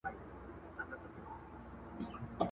که یوازي دي په نحو خوله خوږه ده!.